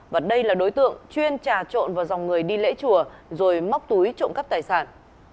và đây là đối tượng chuyên trà trộn vào dòng người đi lễ chùa rồi móc túi trộm cắp tài sản